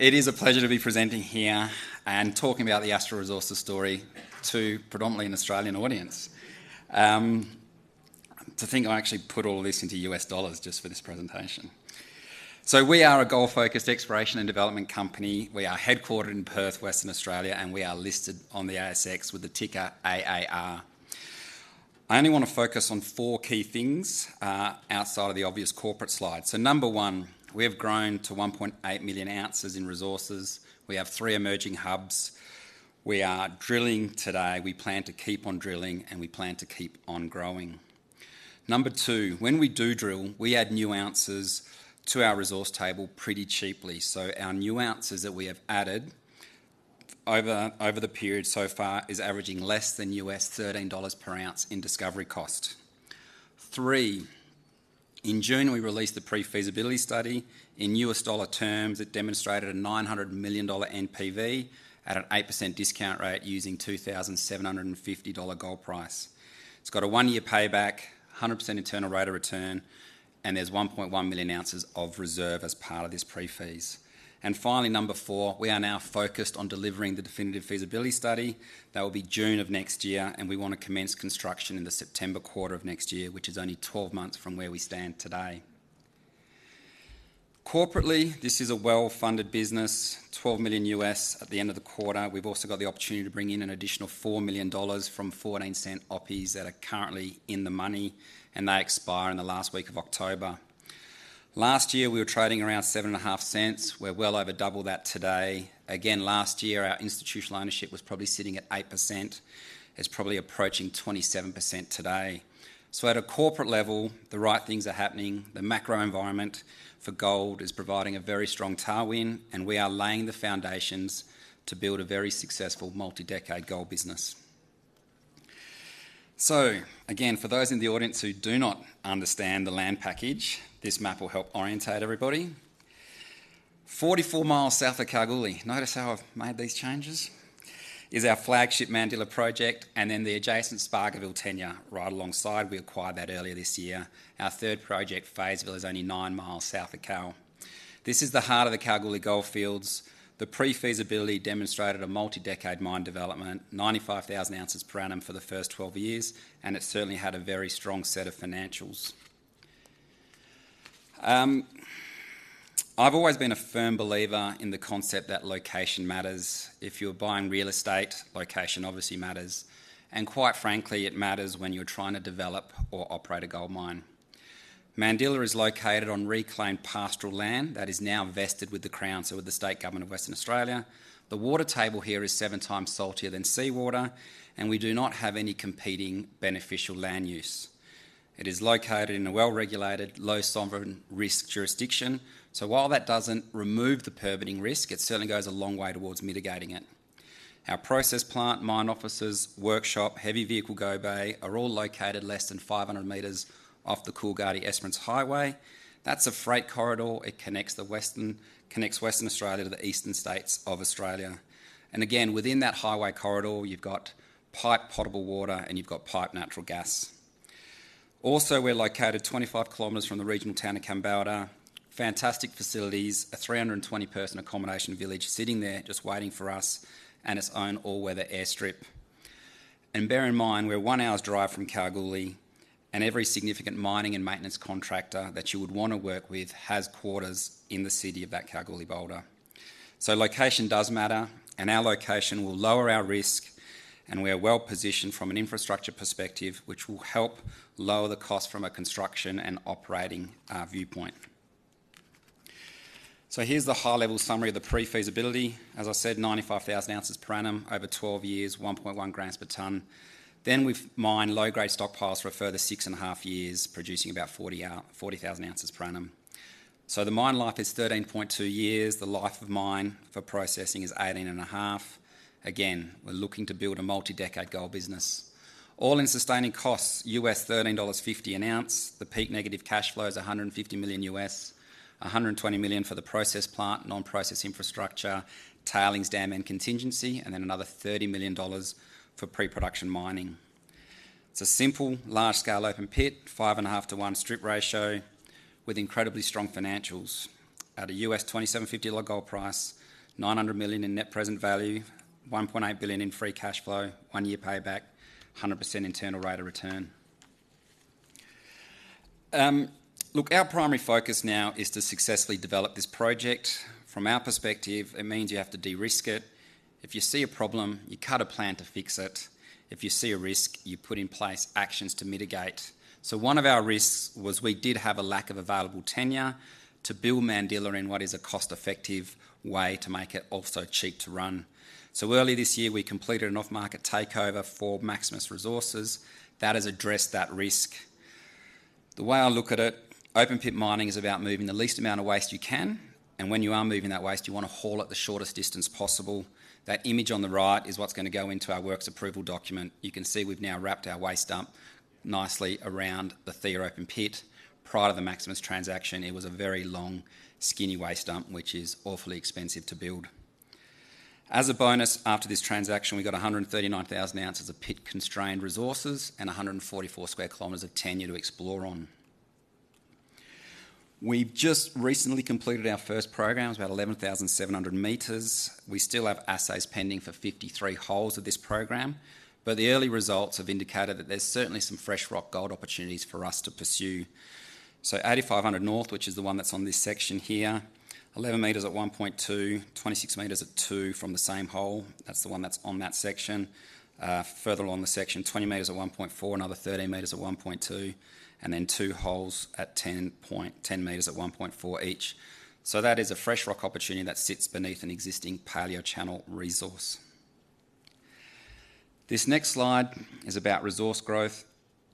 It is a pleasure to be presenting here and talking about the Astral Resources story to predominantly an Australian audience. To think I actually put all of this into US dollars just for this presentation. So we are a gold-focused exploration and development company. We are headquartered in Perth, Western Australia, and we are listed on the ASX with the ticker AAR. I only want to focus on four key things outside of the obvious corporate slide. So number one, we have grown to 1.8 million ounces in resources. We have three emerging hubs. We are drilling today. We plan to keep on drilling, and we plan to keep on growing. Number two, when we do drill, we add new ounces to our resource table pretty cheaply. So our new ounces that we have added over the period so far are averaging less than $13 per ounce in discovery cost. Three, in June, we released the pre-feasibility study. In US dollar terms, it demonstrated a $900 million NPV at an 8% discount rate using a $2,750 gold price. It's got a one-year payback, 100% internal rate of return, and there's 1.1 million ounces of reserve as part of this pre-feas. And finally, number four, we are now focused on delivering the definitive feasibility study. That will be June of next year, and we want to commence construction in the September quarter of next year, which is only 12 months from where we stand today. Corporately, this is a well-funded business, $12 million at the end of the quarter. We've also got the opportunity to bring in an additional $4 million from $0.14 OPIs that are currently in the money, and they expire in the last week of October. Last year, we were trading around $0.075. We're well over double that today. Again, last year, our institutional ownership was probably sitting at 8%. It's probably approaching 27% today. So at a corporate level, the right things are happening. The macro environment for gold is providing a very strong tailwind, and we are laying the foundations to build a very successful multi-decade gold business. So again, for those in the audience who do not understand the land package, this map will help orientate everybody. 44 mi south of Kalgoorlie, notice how I've made these changes, is our flagship Mandilla project and then the adjacent Spargoville tenure right alongside. We acquired that earlier this year. Our third project, Feysville, is only nine miles south of Kalgoorlie. This is the heart of the Kalgoorlie Goldfields. The pre-feasibility demonstrated a multi-decade mine development, 95,000 ounces per annum for the first 12 years, and it certainly had a very strong set of financials. I've always been a firm believer in the concept that location matters. If you're buying real estate, location obviously matters, and quite frankly, it matters when you're trying to develop or operate a gold mine. Mandilla is located on reclaimed pastoral land that is now vested with the Crown, so with the State Government of Western Australia. The water table here is seven times saltier than seawater, and we do not have any competing beneficial land use. It is located in a well-regulated, low sovereign risk jurisdiction. While that doesn't remove the permitting risk, it certainly goes a long way towards mitigating it. Our process plant, mine offices, workshop, heavy vehicle garage bay are all located less than 500 meters off the Coolgardie-Esperance Highway. That's a freight corridor. It connects Western Australia to the eastern states of Australia. And again, within that highway corridor, you've got piped potable water and you've got piped natural gas. Also, we're located 25 kilometers from the regional town of Kambalda. Fantastic facilities, a 320-person accommodation village sitting there just waiting for us and its own all-weather airstrip. And bear in mind, we're one hour's drive from Kalgoorlie, and every significant mining and maintenance contractor that you would want to work with has quarters in the city of Kalgoorlie-Boulder. So location does matter, and our location will lower our risk, and we are well positioned from an infrastructure perspective, which will help lower the cost from a construction and operating viewpoint. Here's the high-level summary of the pre-feasibility. As I said, 95,000 ounces per annum over 12 years, 1.1 grams per tonne. Then we mine low-grade stockpiles for a further six and a half years, producing about 40,000 ounces per annum. The mine life is 13.2 years. The life of mine for processing is 18-and-a-half. Again, we're looking to build a multi-decade gold business. All-in sustaining costs $1,350 an ounce. The peak negative cash flow is $150 million, $120 million for the process plant, non-process infrastructure, tailings dam and contingency, and then another $30 million for pre-production mining. It's a simple, large-scale open pit, five and a half to one strip ratio with incredibly strong financials. At a $2,750 gold price, $900 million in net present value, $1.8 billion in free cash flow, one-year payback, 100% internal rate of return. Look, our primary focus now is to successfully develop this project. From our perspective, it means you have to de-risk it. If you see a problem, you cut a plan to fix it. If you see a risk, you put in place actions to mitigate. So one of our risks was we did have a lack of available tenure to build Mandilla in what is a cost-effective way to make it also cheap to run. So early this year, we completed an off-market takeover for Maximus Resources. That has addressed that risk. The way I look at it, open pit mining is about moving the least amount of waste you can, and when you are moving that waste, you want to haul it the shortest distance possible. That image on the right is what's going to go into our Works Approval document. You can see we've now wrapped our waste dump nicely around the Theia open pit. Prior to the Maximus transaction, it was a very long, skinny waste dump, which is awfully expensive to build. As a bonus, after this transaction, we got 139,000 ounces of pit-constrained resources and 144 sq km of tenure to explore on. We've just recently completed our first program. It's about 11,700 meters. We still have assays pending for 53 holes of this program, but the early results have indicated that there's certainly some fresh rock gold opportunities for us to pursue, so 8,500 north, which is the one that's on this section here, 11 meters at 1.2, 26 meters at 2 from the same hole. That's the one that's on that section. Further along the section, 20 meters at 1.4, another 13 meters at 1.2, and then two holes at 10 meters at 1.4 each. So that is a fresh rock opportunity that sits beneath an existing paleochannel resource. This next slide is about resource growth.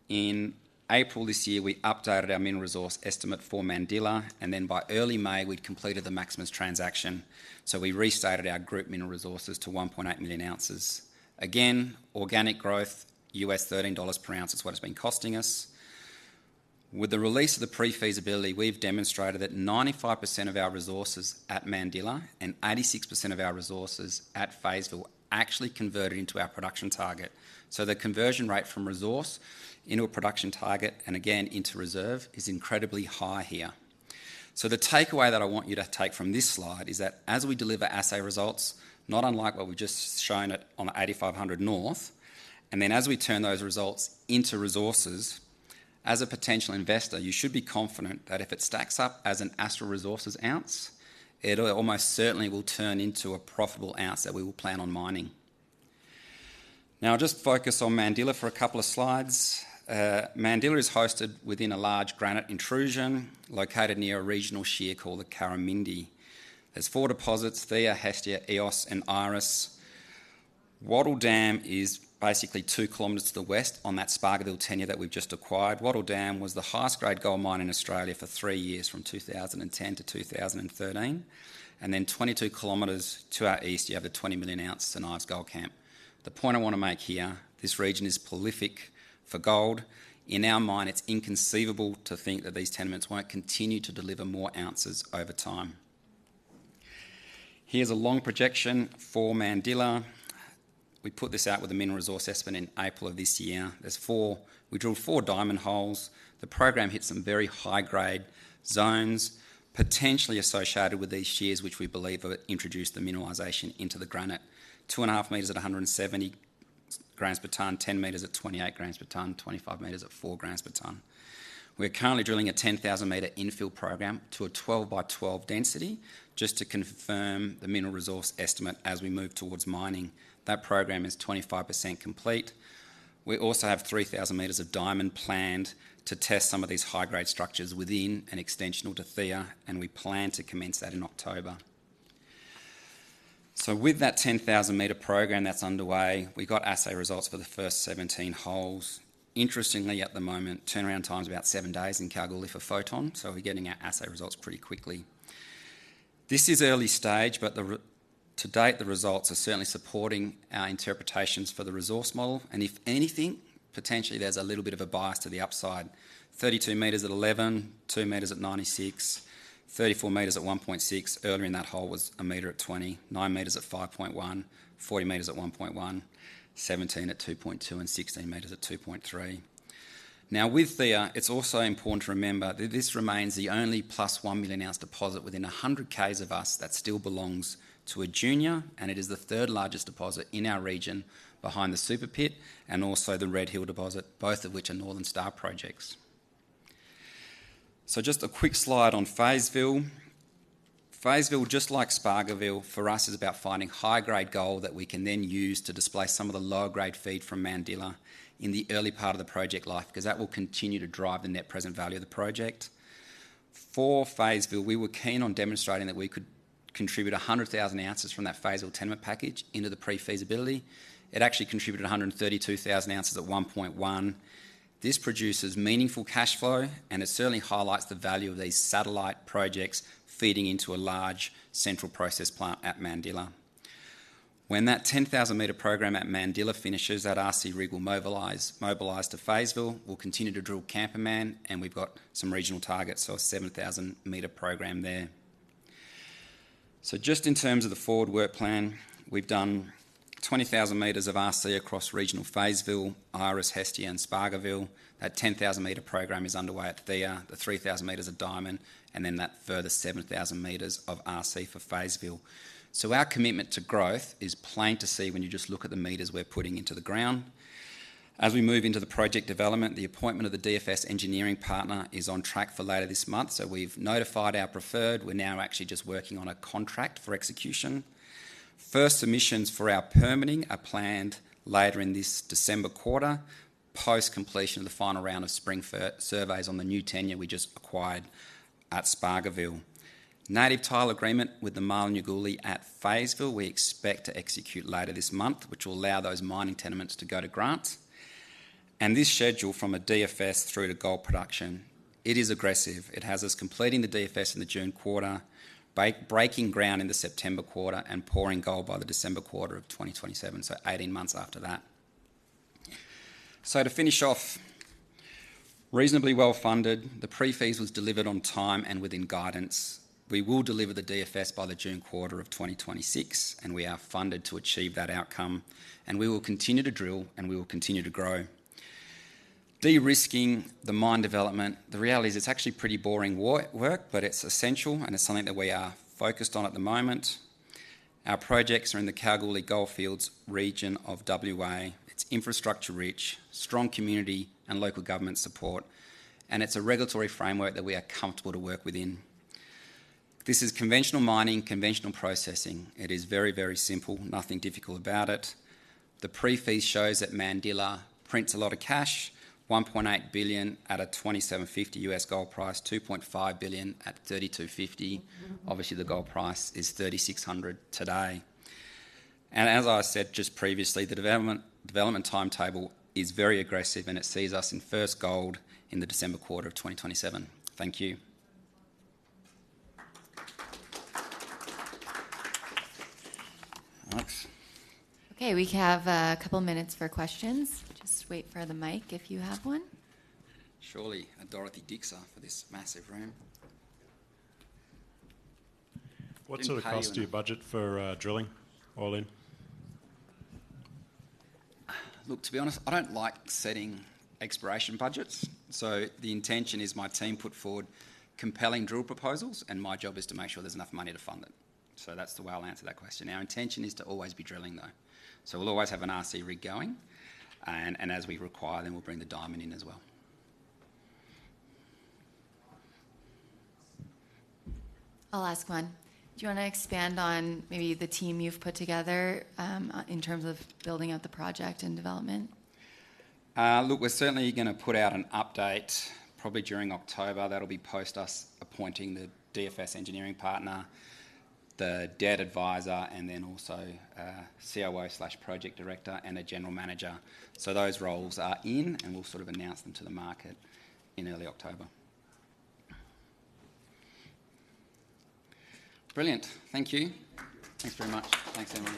In April this year, we updated our mineral resource estimate for Mandilla, and then by early May, we'd completed the Maximus transaction. So we restated our group mineral resources to 1.8 million ounces. Again, organic growth, $13 per ounce is what it's been costing us. With the release of the pre-feasibility, we've demonstrated that 95% of our resources at Mandilla and 86% of our resources at Feysville actually converted into our production target. So the conversion rate from resource into a production target and again into reserve is incredibly high here. So the takeaway that I want you to take from this slide is that as we deliver assay results, not unlike what we've just shown on the 8,500 north, and then as we turn those results into resources, as a potential investor, you should be confident that if it stacks up as an Astral Resources ounce, it almost certainly will turn into a profitable ounce that we will plan on mining. Now, I'll just focus on Mandilla for a couple of slides. Mandilla is hosted within a large granite intrusion located near a regional shear called the Karramindie. There's four deposits: Theia, Hestia, Eos, and Iris. Wattle Dam is basically two kilometers to the west on that Spargoville tenure that we've just acquired. Wattle Dam was the highest-grade gold mine in Australia for three years from 2010 to 2013. Then 22 kilometers to our east, you have the 20-million-ounce St Ives Gold Camp. The point I want to make here, this region is prolific for gold. In our mind, it's inconceivable to think that these tenements won't continue to deliver more ounces over time. Here's a longitudinal projection for Mandilla. We put this out with the mineral resource estimate in April of this year. There's four. We drilled four diamond holes. The program hit some very high-grade zones potentially associated with these shears, which we believe have introduced the mineralization into the granite. Two-and-a-half meters at 170 grams per tonne, 10 meters at 28 grams per tonne, 25 meters at 4 grams per tonne. We're currently drilling a 10,000-meter infill program to a 12 by 12 density just to confirm the mineral resource estimate as we move towards mining. That program is 25% complete. We also have 3,000 meters of diamond planned to test some of these high-grade structures within and extensional to Theia, and we plan to commence that in October. So with that 10,000-meter program that's underway, we got assay results for the first 17 holes. Interestingly, at the moment, turnaround time is about seven days in Kalgoorlie for Photon, so we're getting our assay results pretty quickly. This is early stage, but to date, the results are certainly supporting our interpretations for the resource model. And if anything, potentially there's a little bit of a bias to the upside. 32 meters at 11, two meters at 96, 34 meters at 1.6. Earlier in that hole was a meter at 20, nine meters at 5.1, 40 meters at 1.1, 17 at 2.2, and 16 meters at 2.3. Now, with Theia, it's also important to remember that this remains the only plus one million ounce deposit within 100 km of us that still belongs to a junior, and it is the third largest deposit in our region behind the Super Pit and also the Red Hill deposit, both of which are Northern Star projects. So just a quick slide on Feysville. Feysville, just like Spargoville, for us is about finding high-grade gold that we can then use to display some of the lower-grade feed from Mandilla in the early part of the project life because that will continue to drive the net present value of the project. For Feysville, we were keen on demonstrating that we could contribute 100,000 ounces from that Feysville tenure package into the pre-feasibility. It actually contributed 132,000 ounces at 1.1. This produces meaningful cash flow, and it certainly highlights the value of these satellite projects feeding into a large central process plant at Mandilla. When that 10,000-meter program at Mandilla finishes, that RC rig will mobilise to Feysville. We'll continue to drill Kamperman, and we've got some regional targets, so a 7,000-meter program there. So just in terms of the forward work plan, we've done 20,000 meters of RC across regional Feysville, Iris, Hestia, and Spargoville. That 10,000-meter program is underway at Theia, the 3,000 meters of diamond, and then that further 7,000 meters of RC for Feysville. So our commitment to growth is plain to see when you just look at the meters we're putting into the ground. As we move into the project development, the appointment of the DFS engineering partner is on track for later this month, so we've notified our preferred. We're now actually just working on a contract for execution. First submissions for our permitting are planned later in this December quarter, post-completion of the final round of spring surveys on the new tenure we just acquired at Spargoville. Native Title agreement with the Marlinyu Ghoorlie at Feysville we expect to execute later this month, which will allow those mining tenements to go to grant. And this schedule from a DFS through to gold production, it is aggressive. It has us completing the DFS in the June quarter, breaking ground in the September quarter, and pouring gold by the December quarter of 2027, so 18 months after that. So to finish off, reasonably well funded. The pre-feas was delivered on time and within guidance. We will deliver the DFS by the June quarter of 2026, and we are funded to achieve that outcome. We will continue to drill, and we will continue to grow. Derisking the mine development, the reality is it's actually pretty boring work, but it's essential, and it's something that we are focused on at the moment. Our projects are in the Kalgoorlie goldfields region of WA. It's infrastructure-rich, strong community, and local government support. It's a regulatory framework that we are comfortable to work within. This is conventional mining, conventional processing. It is very, very simple. Nothing difficult about it. The pre-feas shows that Mandilla prints a lot of cash, $1.8 billion at a $2,750 US gold price, $2.5 billion at $3,250. Obviously, the gold price is $3,600 today. As I said just previously, the development timetable is very aggressive, and it sees us in first gold in the December quarter of 2027. Thank you. Okay, we have a couple of minutes for questions. Just wait for the mic if you have one. Surely. Dorothy Dixer for this massive room. What's sort of cost to your budget for drilling all in? Look, to be honest, I don't like setting expenditure budgets. So the intention is my team put forward compelling drill proposals, and my job is to make sure there's enough money to fund it. So that's the way I'll answer that question. Our intention is to always be drilling, though. So we'll always have an RC rig going. And as we require, then we'll bring the diamond in as well. I'll ask one. Do you want to expand on maybe the team you've put together in terms of building out the project and development? Look, we're certainly going to put out an update probably during October. That'll be post us appointing the DFS engineering partner, the debt advisor, and then also COO/project director and a general manager. So those roles are in, and we'll sort of announce them to the market in early October. Brilliant.Thank you. Thanks very much. Thanks Emma.